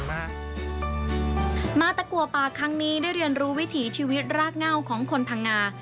มาตะกัวปากครั้งนี้ได้เรียนรู้วิถีชีวิตรากเง่าของคนพังงา